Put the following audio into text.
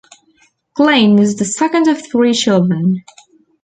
Klein was the second of three children.